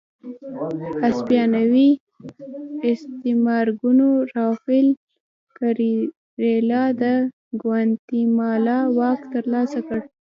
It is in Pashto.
هسپانوي استعمارګرو رافایل کېریرا د ګواتیمالا واک ترلاسه کړ.